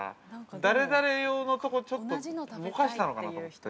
誰々用のとこちょっとぼかしたのかなと思って。